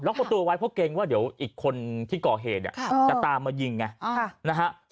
ประตูไว้เพราะเกรงว่าเดี๋ยวอีกคนที่ก่อเหตุเนี่ยจะตามมายิงไงนะฮะ